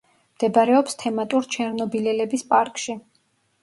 მდებარეობს თემატურ ჩერნობილელების პარკში.